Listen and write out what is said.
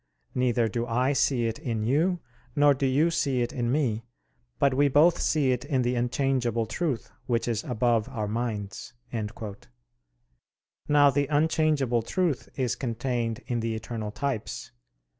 Neither do I see it in you, nor do you see it in me: but we both see it in the unchangeable truth which is above our minds." Now the unchangeable truth is contained in the eternal types.